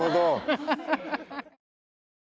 ハハハハ。